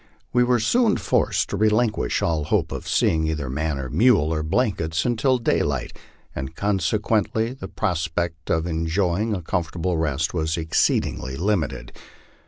We were soon forced to relinquish all hope of seeing either man, mule, or blankets until daylight, and consequently the prospect of enjoying a comfortable rest was exceed ingly limited.